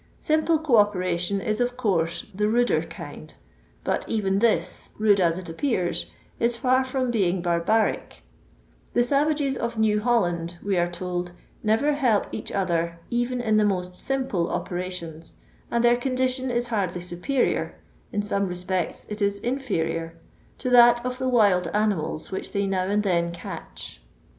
Simple co operation is of course the ruder kind ; but even this, rude as it appears, is far from being bar baric "The savages of New Holland," we are told, '* never help each other even in the most simple operations ; and their condition is hardly superior — ^in some respects it is inferior — to that of the wild animals which they now and then catch."